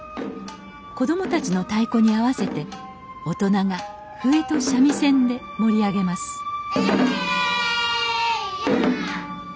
子供たちの太鼓に合わせて大人が笛と三味線で盛り上げますえいや！